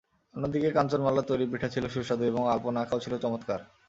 অন্যদিকে কাঞ্চনমালার তৈরি পিঠা ছিল সুস্বাদু এবং আলপনা আঁকাও ছিল চমৎকার।